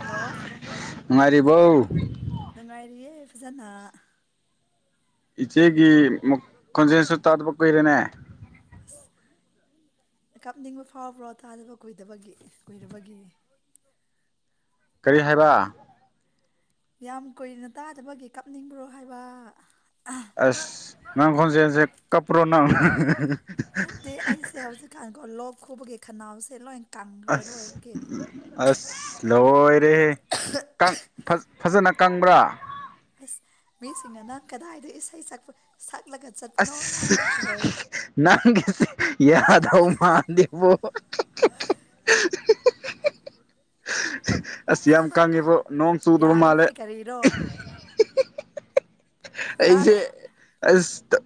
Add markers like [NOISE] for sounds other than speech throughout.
hello ꯉꯥꯏꯔꯤꯕꯧ ꯅꯨꯡꯉꯥꯏꯔꯤꯌꯦ ꯐꯖꯅ ꯏꯆꯦꯒꯤ ꯈꯣꯟꯖꯦꯜꯁꯨ ꯇꯥꯗꯕ ꯀꯨꯏꯔꯦꯅꯦ ꯑꯁ ꯀꯥꯞꯅꯤꯡꯕ ꯐꯥꯎꯕ꯭ꯔꯣ ꯇꯥꯗꯕ ꯀꯨꯏꯗꯕꯒꯤ ꯀꯨꯏꯔꯕꯒꯤ ꯀꯔꯤ ꯍꯥꯏꯕ ꯌꯥꯝ ꯀꯨꯏꯅ ꯇꯥꯗꯕꯒꯤ ꯀꯥꯞꯅꯤꯡꯕ꯭ꯔꯣ ꯍꯥꯏꯕ ꯑꯁ ꯅꯪꯈꯣꯟꯖꯁꯦ ꯀꯄ꯭ꯔꯣ ꯅꯪ ꯅꯠꯇꯦ ꯑꯩꯁꯦ ꯍꯧꯖꯤꯛꯀꯥꯟꯀꯣ ꯂꯣꯛ ꯈꯨꯕꯒꯤ ꯈꯅꯥꯎꯁꯦ ꯂꯣꯏ ꯀꯪꯈ꯭ꯔꯦ ꯑꯗꯨꯗ ꯑꯁ ꯑꯣꯏꯕꯒꯤ ꯑꯁ ꯂꯣꯏꯔꯦꯍꯦ ꯐꯖꯅ ꯀꯪꯕ꯭ꯔꯥ ꯑꯁ ꯃꯤꯁꯤꯡꯅ ꯅꯪ ꯀꯗꯥꯏꯗ ꯏꯁꯩ ꯁꯛꯄ ꯁꯛꯂꯒ ꯆꯠꯄꯅꯣ ꯑꯁ ꯍꯥꯏꯕ ꯂꯣꯏꯔꯦ ꯅꯪꯁ ꯌꯥꯗꯧ ꯃꯥꯥꯟꯗꯦꯕꯣ ꯑꯁ ꯌꯥꯝ ꯀꯪꯉꯤꯕꯣ ꯅꯣꯡ ꯆꯨꯗꯕ ꯃꯥꯜꯂꯦ ꯌꯥꯒꯅꯤꯍꯦ ꯀꯔꯤꯔꯣ ꯑꯩꯁꯦ ꯌꯥꯔꯦ ꯑꯁ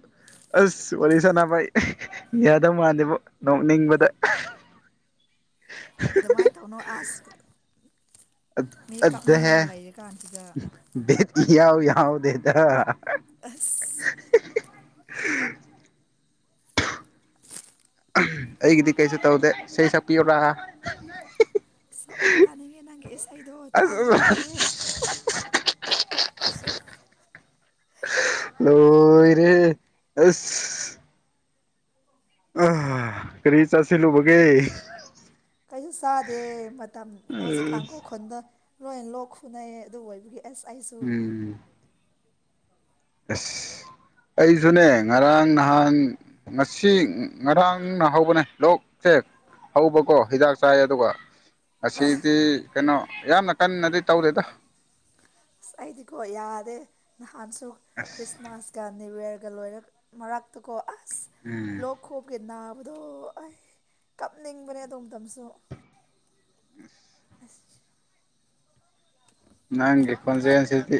ꯑꯁ ꯋꯥꯔꯤ ꯁꯥꯟꯅꯕ ꯌꯥꯗꯧ ꯃꯥꯟꯗꯦꯕ ꯅꯣꯛꯅꯤꯡꯕꯗ ꯑꯗꯨꯃꯥꯏꯅ ꯇꯧꯅꯨ ꯑꯁ ꯃꯤ ꯀꯞꯅꯤꯡꯉꯒꯥ ꯂꯩꯔꯤ ꯀꯥꯟꯁꯤꯗ ꯌꯥꯎ ꯌꯥꯎꯗꯦꯗ ꯑꯁ ꯑꯩꯒꯤꯗꯤ ꯀꯩꯁꯨ ꯇꯧꯗꯦ ꯏꯁꯩ ꯁꯛꯄꯤꯌꯨꯔ ꯁꯛꯑꯣ ꯇꯥꯅꯤꯡꯉꯦ ꯅꯪꯒꯤ ꯏꯁꯩꯗꯣ ꯇꯥꯗꯕ ꯀꯨꯏꯔꯦ ꯂꯣꯏꯔꯦꯍꯦ ꯀꯔꯤ ꯆꯥꯁꯤꯜ ꯂꯨꯕꯒꯦ ꯀꯩꯁꯨ ꯆꯥꯗꯦ ꯃꯇꯝ ꯍꯧꯖꯤꯛ ꯀꯥꯡꯈ ꯈꯨꯟꯗ ꯂꯣꯏꯅ ꯂꯣꯛ ꯈꯨꯅꯩ ꯑꯗꯨ ꯑꯣꯏꯕꯒꯤ ꯑꯦꯁ ꯑꯩꯁꯨ ꯎꯝ ꯑꯁ ꯑꯩꯁꯨꯅꯦ ꯉꯔꯥꯡ ꯅꯍꯥꯟ ꯉꯁꯤ ꯉꯔꯥꯡꯅ ꯍꯧꯕꯅꯦ ꯂꯣꯛ ꯊꯦꯛ ꯍꯧꯕꯀꯣ ꯍꯤꯗꯥꯛ ꯆꯥꯏ ꯑꯗꯨꯒ ꯑꯁꯤꯗꯤ ꯀꯩꯅꯣ ꯌꯥꯝꯅ ꯀꯟꯅꯗꯤ ꯇꯧꯗꯦꯗ ꯑꯁ ꯑꯩꯗꯤꯀꯣ ꯌꯥꯗꯦ ꯅꯍꯥꯟꯁꯨ ꯈ꯭ꯔꯤꯁꯃꯥꯁ ꯒꯥꯟꯗꯋꯦꯔꯒ ꯂꯣꯏꯔ ꯃꯔꯛꯇꯀꯣ ꯑꯁ ꯎꯝ ꯃꯈꯣꯛꯞꯀꯤ ꯅꯥꯕꯗꯣ ꯑ ꯀꯞꯅꯤꯡꯕꯅꯦ ꯑꯗꯣꯝ ꯃꯇꯝꯁꯨ ꯑꯁ ꯅꯪꯒꯤ ꯈꯨꯣꯟꯖꯦ ꯑꯟꯁꯤꯗꯤ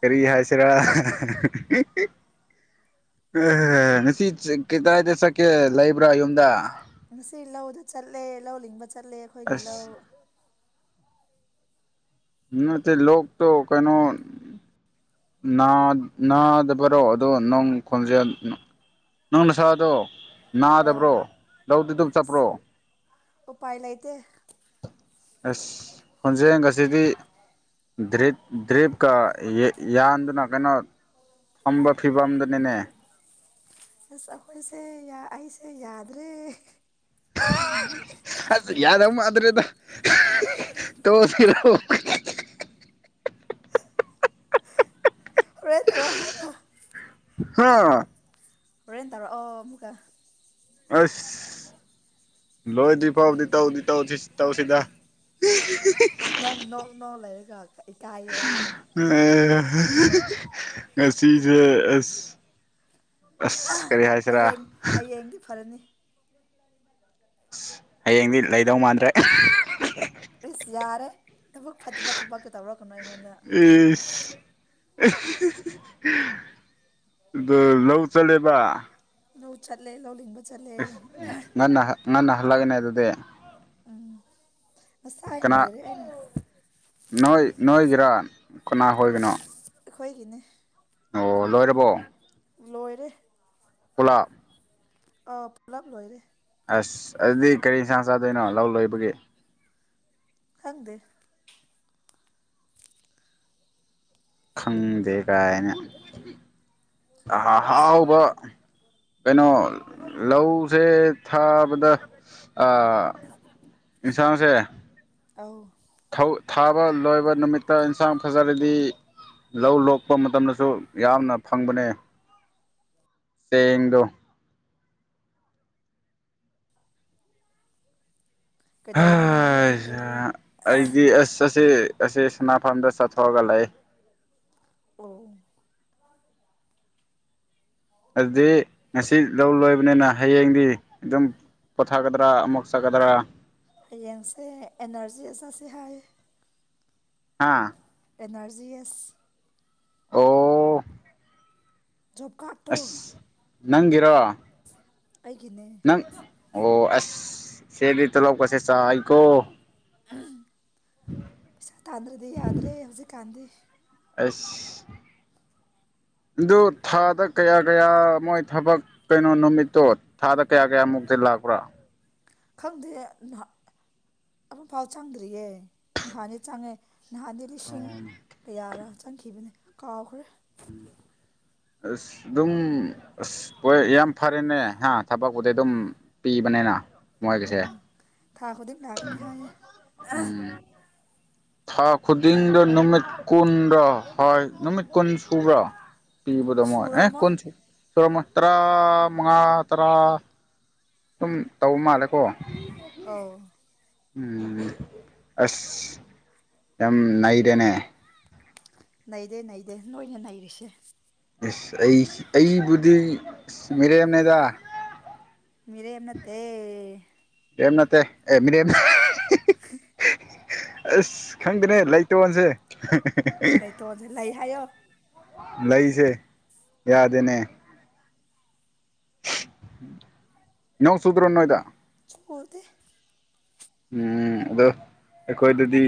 ꯀꯔꯤ ꯍꯥꯏꯁꯔ ꯎ ꯉꯁꯤ ꯀꯗꯥꯏꯗ ꯆꯠꯀꯦ ꯂꯩꯕ꯭ꯔꯥ ꯌꯨꯝꯗ ꯉꯁꯤ ꯂꯧꯗ ꯆꯠꯂꯦ ꯂꯧ ꯂꯤꯡꯕ ꯆꯠꯂꯦ ꯑꯩꯈꯣꯏꯒꯤ ꯑꯁ ꯂꯧ ꯎꯠꯇ ꯂꯣꯛꯇꯣ ꯀꯩꯅꯣ ꯅꯥ ꯅꯥꯗꯕꯔꯣ ꯑꯗꯣ ꯅꯪ ꯈꯣꯟꯖꯦꯜ ꯅꯪ ꯅ ꯁꯥꯥꯗꯣ ꯑꯥ ꯅꯥꯗꯕ꯭ꯔꯣ ꯂꯧꯗꯨ ꯑꯗꯨꯝ ꯆꯠꯄ꯭ꯔꯣ ꯎꯄꯥꯏ ꯂꯩꯇꯦ ꯑꯁ ꯈꯣꯟꯖꯦ ꯉꯁꯤꯗꯤ ꯗ꯭ꯔꯤꯞꯀ ꯌꯥꯟꯗꯨꯅ ꯀꯩꯅꯣ ꯐꯝꯕ ꯐꯤꯕꯝꯗꯅꯤꯅꯦ ꯑꯁ ꯑꯩꯈꯣꯏꯁꯦ ꯑꯩꯁꯦ ꯌꯥꯗ꯭ꯔꯦ ꯑꯁ ꯌꯥꯗꯕ ꯃꯥꯗ꯭ꯔꯦꯗ ꯇꯣꯁꯤꯔꯑꯣ ꯍꯔꯦ ꯇꯧꯔꯣ ꯍ ꯍꯦꯟꯟ ꯇꯧꯔꯣ ꯑ ꯃꯨꯒ ꯑꯁ ꯂꯣꯏꯗ꯭ꯔꯤ ꯐꯥꯎꯗꯤ ꯇꯧꯗꯤ ꯇꯧꯁꯤ ꯇꯧꯁꯤꯗ ꯅꯪ ꯅꯣꯛ ꯅꯣꯛ ꯂꯩꯔꯒ ꯏꯀꯥꯏꯌꯦ ꯑꯩ ꯑ ꯉꯁꯤꯁꯦ ꯑ ꯑꯁ ꯀꯔꯤ ꯍꯥꯏ ꯍꯌꯦꯡ ꯍꯌꯦꯡꯗꯤ ꯐꯔꯅꯤ ꯑꯁ ꯍꯌꯦꯡꯗꯤ ꯂꯩꯗꯧ ꯃꯥꯟꯗ꯭ꯔꯦ ꯏꯁꯁ ꯌꯥꯔꯦ ꯊꯕꯛ ꯐꯠꯇꯕ ꯊꯕꯛꯇꯨ ꯇꯧꯔꯛꯀꯅꯨ ꯑꯩꯉꯣꯟꯗ ꯎꯝ ꯑ ꯂꯧ ꯆꯠꯂꯦꯕ ꯅ ꯆꯠꯂꯦ ꯂꯣ ꯂꯕ ꯁ ꯉꯟꯅ ꯉꯟꯅ ꯍꯜꯂꯛꯒꯅꯦ ꯑꯗꯨꯗꯤ ꯎꯝ ꯉꯁꯥꯏ ꯑ ꯀꯅꯥ ꯅꯣꯏꯔꯦ ꯑꯩꯅ ꯅꯣꯏ ꯅꯣꯏꯒꯤꯔꯥꯡ ꯀꯅꯥ ꯑꯣꯏꯒꯅꯣ ꯍꯣꯏꯒꯤꯅꯦ ꯑꯣ ꯂꯣꯏꯔꯕꯣ ꯂꯣꯏꯔꯦ ꯑꯣꯂꯥ ꯑꯥ ꯄꯨꯂꯞ ꯂꯣꯏꯔꯦ ꯑꯁ ꯑꯗꯨꯗꯤ ꯀꯔꯤ ꯏꯟꯁꯥꯡ ꯆꯥꯗꯣꯏꯅꯣ ꯂꯧ ꯂꯣꯏꯕꯒꯤ ꯈꯪꯗꯦ ꯈꯪꯗꯦ ꯀꯥꯏꯅ ꯑꯁ ꯑꯍꯥꯎꯕ ꯀꯩꯅꯣ ꯂꯧꯁꯦ ꯊꯥꯕꯗ ꯏꯟꯁꯥꯡꯁꯦ ꯑꯧ ꯊꯥꯕ ꯂꯣꯏꯕ ꯅꯨꯃꯤꯠꯇ ꯏꯟꯁꯥꯡ ꯐꯖꯔꯗꯤ ꯂꯧ ꯂꯣꯛꯄ ꯃꯇꯝꯗꯁꯨ ꯌꯥꯝꯅ ꯐꯪꯕꯅꯦ ꯇꯗ ꯀꯩꯗꯧꯔꯤꯅꯣ ꯅꯪꯗꯤ ꯑꯗꯨꯝ ꯍꯣꯏ ꯂꯩꯕ꯭ꯔꯣ ꯑꯩꯗꯤ ꯑꯁ ꯑꯁꯦ ꯑꯁꯦ ꯁꯅꯥꯐꯝꯝꯗ ꯆꯠꯊꯣꯛꯑꯒ ꯂꯩꯦ ꯑꯣ ꯑꯗꯨꯗꯤ ꯉꯁꯤ ꯂꯧ ꯂꯣꯏꯕꯅꯤꯅ ꯍꯌꯦꯡꯗꯤ ꯑꯗꯨꯝ ꯄꯣꯊꯥꯒꯗ꯭ꯔꯥ ꯑꯃꯨꯛ ꯆꯠꯒꯗ꯭ꯔꯥ ꯍꯌꯦꯡꯁꯦ ꯑꯦꯅꯔꯖꯤ ꯑꯆꯥꯠꯁꯤ ꯍꯥꯏꯌꯦ ꯍꯥꯥ ꯑꯦꯅꯥꯔꯖꯤ ꯑꯦꯁ ꯑꯣ ꯖ‌ꯣ ꯀꯥ ꯑꯁ ꯅꯪꯒꯤꯔꯣ ꯑꯩꯒꯤꯅꯦ ꯅꯪ ꯑꯣ ꯑꯁ ꯆ‌ꯦꯗꯤꯇ ꯇ‌ꯣꯂ‌‌ꯣꯞ ꯀꯁꯦ ꯆꯥꯋꯤꯀꯣ ꯄꯩꯁꯥ ꯇꯥꯟꯗ꯭ꯔꯗꯤ ꯌꯥꯗ꯭ꯔꯦ ꯍꯧꯖꯤꯛꯀꯥꯟꯗꯤ ꯑꯁ ꯑꯗꯨ ꯊꯥꯗ ꯀꯌꯥ ꯀꯌꯥ ꯃꯣꯏ ꯊꯕꯛ ꯀꯩꯅꯣ ꯅꯨꯃꯤꯠꯇꯣ ꯊꯥꯗ ꯀꯌꯥ ꯀꯌꯥꯃꯨꯛꯇꯤ ꯂꯥꯛꯄ꯭ꯔꯥ ꯈꯪꯗꯦꯍ ꯑꯃꯨꯛꯐꯥꯎ ꯆꯪꯗ꯭ꯔꯤꯌꯦ ꯅꯍꯥꯟꯅꯤ ꯆꯪꯉꯦ ꯅꯍꯥꯟꯅꯤ ꯂꯤꯁꯤꯡ ꯀꯌꯥꯔꯥ ꯆꯪꯈꯤꯕꯅꯦ ꯀꯥꯎꯈ꯭ꯔꯦ ꯑꯁ ꯑꯗꯨꯝ ꯑꯁ ꯍꯣꯏ ꯌꯥꯝ ꯐꯔꯦꯅꯦ ꯍꯥ ꯊꯕꯛꯄꯨꯗꯤ ꯑꯗꯨꯝ ꯄꯤꯕꯅꯤꯅ ꯃꯣꯏꯒꯤꯁꯦ ꯎꯝ ꯊꯥꯈꯣꯗꯤꯡ ꯂꯒꯅꯤ ꯍꯥꯏ ꯌ‌ꯦ ꯎꯝ ꯊꯥ ꯈꯨꯗꯤꯡꯗ ꯅꯨꯃꯤꯠ ꯀꯨꯟꯗ ꯍꯥꯏ ꯅꯨꯃꯤꯠ ꯀꯨꯟ ꯁꯨꯕꯔꯥ ꯄꯤꯕꯗꯃꯣꯏ ꯑꯦ ꯁꯨꯔꯝꯃꯣꯏ ꯀꯣꯟꯁꯤ ꯇꯧꯔꯝꯃ‌ꯣꯏ ꯇꯔꯥ ꯃꯉꯥ ꯇꯔꯥ ꯑꯗꯨꯝ ꯇꯧꯕ ꯃꯥꯜꯂꯦꯀꯣ ꯑꯥꯎ ꯎꯝ ꯑꯁ ꯌꯥꯝ ꯅꯩꯗꯦꯅꯦ ꯅꯩꯗꯦ ꯅꯩꯗꯦ ꯅꯣꯏꯅ ꯅꯔꯤꯁꯦ ꯑꯦꯁ ꯑꯩ ꯑꯩꯕꯨꯗꯤ ꯃꯤꯔꯦꯝꯅꯦꯗ ꯃꯤꯔꯦꯝ ꯅꯠꯇꯦ ꯃꯤꯔ‌ꯦꯝ ꯅꯠꯇꯦ ꯑꯦ ꯃꯤꯔ‌ꯦꯝ [INAUDIBLE] ꯑꯁ ꯈꯪꯗ‌ꯦꯅꯦ ꯂꯩ ꯇꯣꯟꯁꯦ ꯂꯩꯇꯣꯟꯁꯦ ꯂꯩ ꯍꯥꯏꯌꯣ ꯂꯩꯖ‌ꯦ ꯌꯥꯗꯦꯅꯦ ꯌꯣꯡ ꯆꯨꯗ꯭ꯔꯣ ꯅꯣꯏꯗ ꯏꯁꯀꯨꯗ‌ꯦ ꯎꯝ ꯑꯗꯣ ꯑꯩꯈꯣꯏꯗꯗꯤ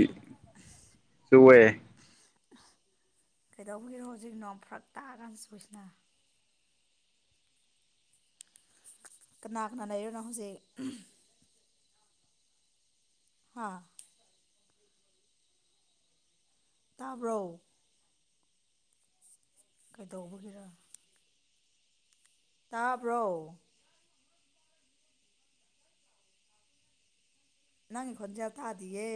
ꯆꯨꯋ‌‌ꯦ ꯀꯩꯗꯧꯕꯒꯤꯔꯣ ꯍꯧꯖꯤꯛ ꯅꯣꯡ ꯐꯔꯛ ꯇꯥꯛꯑꯒꯥꯟ ꯆꯨꯁꯤꯅ ꯀꯅꯥ ꯀꯅꯥ ꯂꯩꯔꯤꯅꯣ ꯅꯪ ꯍꯧꯖꯤꯛ ꯍꯥꯥ ꯇꯥꯕ꯭ꯔꯣ ꯀꯩꯗꯧꯕꯒꯤꯔ ꯇꯥꯕ꯭ꯔꯣ ꯅꯪ ꯈꯣꯟꯖ‌ꯦꯜ ꯇꯥꯗꯤꯌꯦ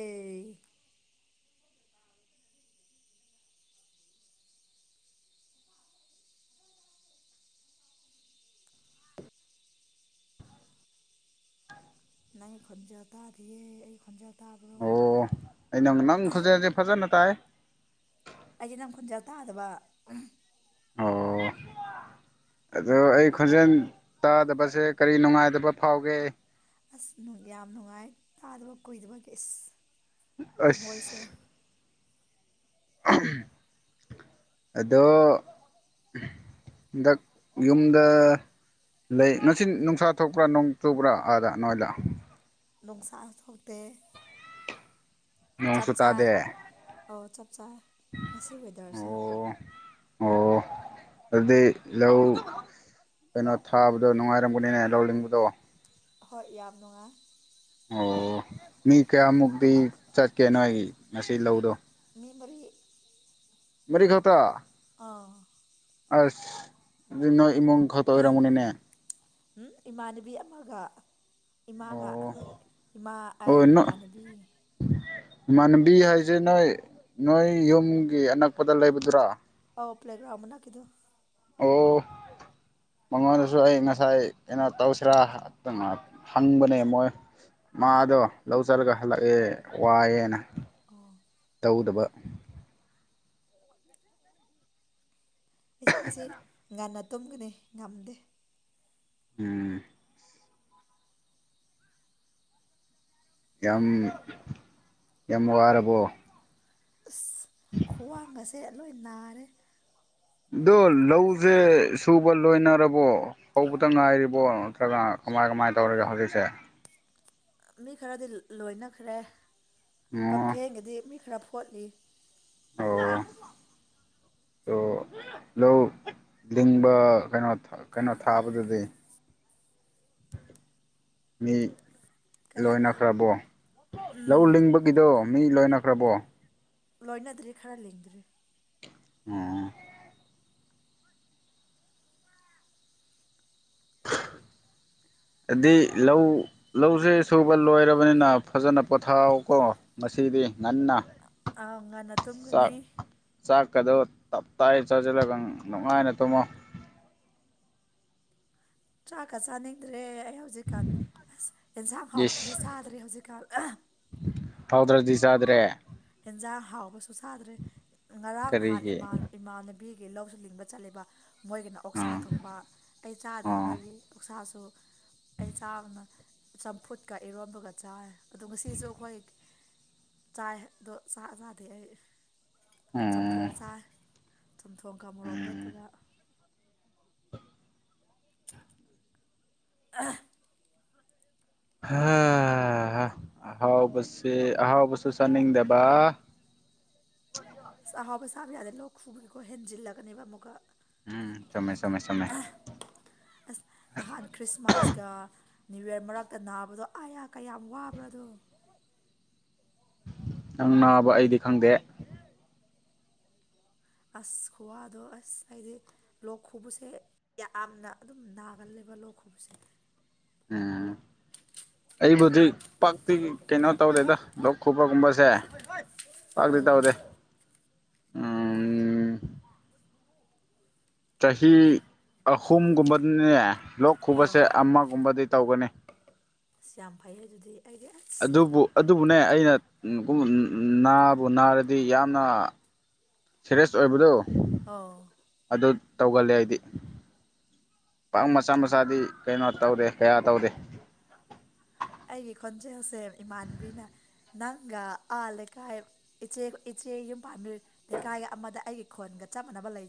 ꯅꯪ ꯈꯣꯟꯖ‌ꯦꯜ ꯇꯥꯗꯤꯌꯦ ꯑꯩ ꯈꯣꯟꯖ‌ꯦꯜ ꯇꯥꯕ꯭ꯔꯣ ꯑꯣ ꯑꯩ ꯅꯪ ꯅꯪ ꯈꯨꯟꯖ‌ꯦꯜ ꯖ‌ꯦ ꯐꯖꯅ ꯇꯥꯏ ꯑꯩꯗꯤ ꯅꯪ ꯈꯣꯟꯖ‌ꯦꯜ ꯇꯥꯗꯕ ꯑꯣ ꯑꯗꯣ ꯑꯩ ꯈꯣꯟꯖꯦꯜ ꯇꯥꯗꯕꯁꯦ ꯀꯔꯤ ꯅꯨꯡꯉꯥꯏꯇꯕ ꯐꯥꯎꯒꯦ ꯑꯁꯅꯨꯡ ꯌꯥꯝ ꯅꯨꯡꯉꯥꯏ ꯇꯥꯗꯕ ꯀꯨꯏꯗꯕꯒꯤ ꯏꯁ ꯊꯃꯣꯏꯁꯦ ꯑꯁ ꯑꯗꯣ ꯍꯟꯗꯛ ꯌꯨꯝꯗ ꯂꯩ ꯉꯁꯤ ꯅꯨꯡꯁꯥ ꯊꯣꯛꯄ꯭ꯔꯥ ꯅꯣꯡ ꯆꯨꯕ꯭ꯔꯥ ꯑꯥꯗ ꯅ‌ꯣꯏꯗ ꯅ‌ꯣꯡꯁꯥ ꯊꯣꯛꯇꯦ ꯆꯞ ꯅꯣꯡꯁꯨ ꯆꯥꯏ ꯇꯥꯗꯦ ꯑꯧ ꯆꯞ ꯆꯥꯔꯦ ꯉꯁꯤ ꯋꯦꯗꯔꯁꯦ ꯇꯣ ꯑꯣ ꯑꯗꯨꯗꯤ ꯂꯎ ꯀꯩꯅꯣ ꯊꯥꯕꯗꯣ ꯅꯨꯡꯉꯥꯏꯔꯝꯒꯅꯤꯅꯦ ꯂꯧꯅꯤꯡꯕꯗꯣ ꯍꯣꯏ ꯌꯥꯝ ꯅꯨꯡꯉꯥꯏ ꯑꯣ ꯃꯤ ꯀꯌꯥꯃꯨꯛꯇꯤ ꯆꯠꯀꯦ ꯅꯣꯏ ꯉꯁꯤ ꯂꯧꯗꯣ ꯃꯦꯃꯣꯔꯤ ꯃꯔꯤꯛ ꯈꯇ ꯑꯥ ꯑꯁ ꯑꯗꯨ ꯅꯣꯏ ꯏꯃꯨꯡ ꯈꯠꯇ ꯑꯣꯏꯔꯝꯃꯣꯅꯦꯅꯦ ꯏꯃꯥꯟꯅꯕꯤ ꯑꯃꯒ ꯏꯃꯥꯒ ꯑꯣ ꯑꯩꯈꯣꯏ ꯏꯃꯥ ꯑꯩ ꯏꯃꯥꯟꯅꯕꯤ ꯃꯥꯟꯕꯤ ꯍꯥꯏꯁꯦ ꯅꯣꯏ ꯅꯣꯏ ꯌꯨꯝꯒꯤ ꯑꯅꯛꯄꯗ ꯂꯩꯕꯗꯨꯔꯥ ꯑꯣꯧ ꯄ꯭ꯂꯦꯒ꯭ꯔꯥꯎꯝꯅ ꯀꯗꯣ ꯑꯣ ꯃꯉꯣꯟꯗꯁꯨ ꯑꯩ ꯉꯁꯥꯏ ꯀꯩꯅꯣ ꯇꯧꯁꯤꯔꯥ ꯍꯪꯕꯅꯦ ꯃꯣꯏ ꯃꯥꯗꯣ ꯂꯧꯖꯔꯒ ꯍꯜꯂꯛꯑꯦ ꯋꯥꯏꯑꯦꯅ ꯑꯣ ꯇꯧꯗꯕ ꯑꯦ ꯃꯁꯤ ꯉꯟꯅ ꯇꯨꯝꯒꯅꯤ ꯉꯝꯗꯦ ꯎꯝ ꯌꯥꯝ ꯌꯥꯝ ꯋꯥꯔꯕꯣ ꯑꯁ ꯈ꯭ꯋꯥꯡ ꯑꯁꯦ ꯂꯣꯏ ꯅꯥꯔꯦ ꯑꯣ ꯂꯧꯁꯦ ꯁꯨꯕ ꯂꯣꯏꯅꯔꯕꯣ ꯍꯧꯕꯇ ꯉꯥꯏꯔꯤꯕꯣ ꯅꯠꯇ꯭ꯔꯒ ꯀꯃꯥꯏ ꯀꯃꯥꯏꯅ ꯇꯧꯔꯒꯦ ꯍꯧꯖꯤꯛꯁꯦ ꯃꯤ ꯈꯔꯗꯤ ꯂꯣꯏꯅꯈ꯭ꯔꯦ ꯑꯣ ꯄꯝꯐꯦꯡꯒꯗꯤ ꯃꯤ ꯈꯔ ꯐꯣꯠꯂꯤ ꯑꯣ ꯂ ꯂꯤꯡꯕ ꯀꯩꯅꯣ ꯀꯩꯅꯣ ꯊꯥꯕꯗꯗꯤ ꯃꯤ ꯀꯩ ꯍꯥꯏꯕ ꯂꯣꯏꯅꯈ꯭ꯔꯕꯣ ꯎꯝ ꯂꯧ ꯂꯤꯡꯕ ꯒꯤꯗꯣ ꯃꯤ ꯂꯣꯏꯅꯈ꯭ꯔꯕꯣ ꯂꯣꯏꯅꯗ꯭ꯔꯤ ꯈꯔ ꯂꯤꯡꯗ꯭ꯔꯔꯤ ꯎꯝ ꯑꯩ ꯂꯧ ꯂꯧꯁꯦ ꯁꯨꯕ ꯂꯣꯏꯔꯕꯅꯤꯅ ꯐꯖꯅ ꯄꯣꯊꯥꯀꯣ ꯉꯗꯤ ꯉꯟꯅ ꯑ ꯉꯥꯟꯟꯅ ꯇꯨꯝꯒꯅꯤ ꯆꯥꯛ ꯆꯥꯛꯀꯗꯣ ꯇꯞ ꯇꯥꯏ ꯆꯥꯁꯤꯜꯂꯒ ꯅꯨꯡꯉꯥꯏꯅ ꯇꯨꯝꯃꯣ ꯆ꯭ꯔꯥꯛꯀ ꯆꯥꯅꯤꯡꯗ꯭ꯔꯦ ꯑꯩ ꯍꯧꯖꯤꯛꯀꯥꯟ ꯑꯁ ꯌꯦꯟꯁꯥꯡ ꯍꯥꯎꯕꯁꯦ ꯆꯥꯗ꯭ꯔꯦ ꯍꯧꯖꯤꯛꯀꯥꯟ ꯐꯥꯎꯗ꯭ꯔꯗꯤ ꯆꯥꯗ꯭ꯔꯦ ꯍꯦꯟꯖꯥꯡ ꯍꯥꯎꯕꯁꯨ ꯁꯥꯗ꯭ꯔꯦ ꯉꯔꯥꯡ ꯍꯥꯥꯟ ꯀꯔꯤꯒꯤ ꯏꯃꯥꯜ ꯏꯃꯥꯟꯅꯕꯤꯒꯤ ꯂꯧꯁꯨ ꯂꯤꯡꯕ ꯆꯠꯂꯤꯦꯕ ꯃꯣꯏꯒꯤꯅ ꯑꯣꯛꯁꯥ ꯑꯥ ꯊꯣꯡꯕ ꯑꯩ ꯆꯥꯗꯦ ꯑꯥ ꯃꯣꯏꯒꯤ ꯑꯣꯛꯁꯥꯁꯨ ꯑꯩ ꯆꯥꯕꯅ ꯆꯝꯐꯨꯠꯀ ꯏꯔꯣꯟꯕꯒ ꯆꯥꯔꯦ ꯑꯣ ꯉꯁꯤꯁꯨ ꯑꯩꯈꯣꯏ ꯆꯥꯏꯗꯣ ꯆꯥꯛ ꯆꯥꯗꯦ ꯑꯩ ꯎꯝ ꯆꯝꯊꯣꯡ ꯆꯥꯏ ꯆꯝꯊꯣꯡꯒ ꯃꯣꯔꯣꯛ ꯎꯝ ꯃꯦꯞꯄꯒ ꯑ ꯑꯍꯥꯎꯕꯁꯤ ꯑꯍꯥꯎꯕꯁꯨ ꯆꯅꯤꯡꯗꯦꯕ ꯑꯁ ꯑꯍꯥꯎꯕ ꯆꯥꯕ ꯌꯥꯗꯦ ꯂꯣꯛ ꯈꯨꯕꯒꯤꯀꯣ ꯍꯦꯟꯖꯤꯜꯂꯒꯅꯦꯕ ꯑꯃꯨꯛꯀ ꯎꯝ ꯆꯃꯃꯦ ꯆꯃꯦ ꯆꯃꯦ ꯑꯁ ꯅꯍꯥꯟ ꯈ꯭ꯔꯤꯁꯃꯥꯁꯒ ꯅꯅꯤꯌꯨ ꯌꯔ ꯃꯔꯛꯇ ꯅꯥꯕꯗꯣ ꯑ ꯑꯥ ꯀꯌꯥꯝ ꯋꯥꯕ꯭ꯔꯥꯗꯣ ꯅꯪ ꯅꯥꯕ ꯑꯩꯗꯤ ꯈꯪꯗꯦ ꯑꯁ ꯈꯨꯋꯥꯗꯣ ꯑꯁ ꯍꯥꯏꯗꯤ ꯂꯣꯛ ꯈꯨꯕꯁꯦ ꯌꯥꯝꯅ ꯑꯗꯨꯝ ꯅꯥꯒꯜꯂꯦꯕ ꯂꯣꯛ ꯈꯨꯕꯁꯦ ꯎꯝ ꯑꯩꯕꯨꯗꯤ ꯄꯇꯤ ꯀꯩꯅꯣ ꯇꯧꯔꯦꯗ ꯂꯣꯛ ꯈꯨꯕꯒꯨꯝꯕꯁꯦ ꯑꯥ ꯄꯥꯗꯗꯥꯎꯗꯦ ꯆꯍꯤ ꯑꯍꯨꯝꯒꯨꯝꯕꯗꯅꯦ ꯂꯣꯛ ꯑꯥ ꯈꯨꯕꯁꯦ ꯑꯃꯒꯨꯝꯕꯗꯤ ꯇꯧꯒꯅꯤ ꯑꯁ ꯌꯥꯝ ꯐꯩꯌꯦ ꯑꯗꯨꯗꯤ ꯑꯩꯒꯤ ꯑꯁ ꯑꯗꯨꯕꯨ ꯑꯗꯨꯕꯨꯅꯦ ꯑꯩꯅ ꯅꯥꯕꯨ ꯅꯥꯔꯗꯤ ꯌꯥꯝꯅ ꯁꯦꯔꯁ ꯑꯣꯏꯕꯗꯣ ꯑꯣꯥꯎ ꯑꯗꯨ ꯇꯧꯒꯜꯂꯦ ꯑꯩꯗꯤ ꯄꯥꯛ ꯃꯆꯥ ꯃꯆꯥꯗꯤ ꯀꯩꯅꯣ ꯇꯧꯔꯦ ꯀꯌꯥ ꯇꯧꯗꯦ ꯑꯩꯒꯤ ꯈꯣꯟꯖꯦꯜꯁꯦ ꯏꯃꯥꯟꯕꯤꯅ ꯅꯪꯒ ꯑꯥ ꯂꯩꯀꯥꯏ ꯏꯆꯦ ꯏꯆꯦ ꯌꯨꯝ ꯄꯥꯟꯕꯤ ꯂꯩꯀꯥꯏꯒ ꯑꯃꯗ ꯑꯩꯒꯤ ꯈꯣꯟꯒ ꯆꯞ ꯃꯥꯟꯅꯕ ꯂꯩ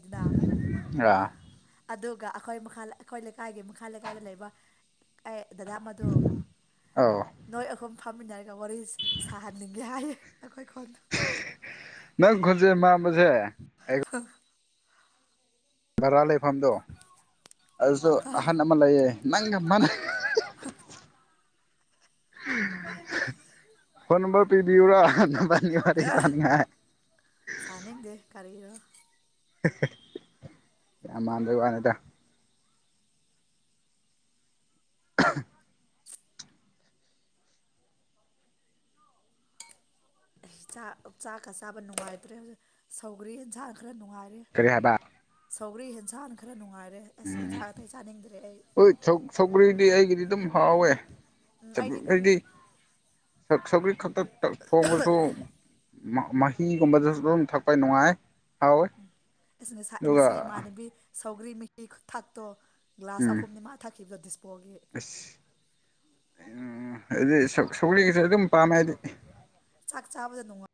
ꯑꯥ [UNINTELLIGIBLE] ꯑꯗꯨꯒ ꯑꯩꯈꯣꯏ ꯃꯈꯥ ꯑꯩꯈꯣꯏ ꯂꯩꯀꯥꯏꯒꯤ ꯃꯈꯥ ꯂꯩꯀꯥꯏꯗ ꯂꯩꯕ ꯑꯦ ꯗꯗꯥ ꯃꯗꯨ ꯑꯧ ꯅꯣꯏ ꯑꯍꯨꯝ ꯐꯝꯃꯤꯟꯅꯔꯒ ꯋꯥꯔꯤ ꯁꯥꯍꯟꯅꯤꯡꯒꯦ ꯍꯥꯏꯌꯦ ꯅꯈꯣꯏ ꯀꯣꯟꯗ ꯅꯪ ꯈꯨꯁꯦꯟ ꯃꯝꯕꯁꯦ [UNINTELLIGIBLE] ꯕꯔꯥ ꯂꯩꯐꯝꯗꯣ ꯑꯗꯨꯁꯨ ꯑꯍꯟ ꯑꯃ ꯂꯩꯌꯦ ꯅꯪꯒ ꯐꯣꯟ ꯅꯝꯕꯝꯕꯔ ꯄꯤꯕꯤꯎꯔꯥ ꯅꯝꯕꯔꯅꯤ ꯋꯥꯔꯤ ꯆꯅꯤꯡ ꯁꯅꯤꯛ ꯗꯦ ꯀꯔꯤꯒꯤꯔ ꯌꯥꯝ ꯃꯥꯟꯗꯩ ꯋꯥꯅꯤꯠꯇ [UNINTELLIGIBLE] ꯆꯥꯛ ꯆꯥꯛꯀ ꯆꯥꯕ ꯅꯨꯡꯉꯥꯏꯇ꯭ꯔꯦ ꯍꯧ ꯁꯧꯈ꯭ꯔꯦ ꯏꯟꯁꯥꯡ ꯈꯔ ꯅꯨꯡꯉꯥꯏꯔꯦ ꯀꯔꯤ ꯍꯥꯏꯕ ꯁꯧꯒꯔꯤ ꯍꯦꯟꯁꯥꯡꯅ ꯈꯔ ꯅꯨꯡꯉꯥꯏꯔꯦ ꯑꯁ ꯎꯝ ꯌꯦꯟꯁꯥꯡ ꯑꯇꯩ ꯆꯥꯅꯤꯡꯗ꯭ꯔꯦ ꯑꯩ ꯍꯣꯏ ꯁꯧꯀꯔꯤꯗꯤ ꯑꯩꯒꯤꯗꯤ ꯑꯗꯨꯝ ꯍꯥꯎꯋꯦ ꯎꯝ ꯑꯩꯗꯤ ꯑꯗꯨ ꯁꯛ ꯁꯧꯈꯛꯇ ꯊꯣꯡꯕꯁꯨ ꯃꯍꯤꯒꯨꯝꯕꯗꯁꯨ ꯑꯗꯨꯝ ꯊꯛꯄ ꯅꯨꯡꯉꯥꯏ ꯍꯥꯎꯋꯦ ꯎꯝ ꯑꯁꯤ ꯉ ꯑꯗꯨꯒ ꯉꯁꯤ ꯏꯃꯥꯟꯅꯕꯤ ꯁꯧꯒ꯭ꯔꯤ ꯃꯍꯤ ꯈꯨ ꯊꯥꯛꯇꯣ ꯒ꯭ꯂꯥꯁ ꯎꯝ ꯑꯍꯨꯝꯅꯤ ꯃꯥ ꯊꯛꯈꯤꯕꯗꯣ ꯗꯤꯁꯄꯣꯒꯤ ꯑꯁ ꯎꯝ ꯑꯗꯨꯗꯤ ꯁꯣꯛꯂꯤꯒꯁꯨ ꯑꯗꯨꯝ ꯄꯥꯝꯃꯦ ꯍꯥꯏꯗꯤ ꯆꯥꯛ ꯆꯥꯕꯗ ꯅꯨꯡꯉ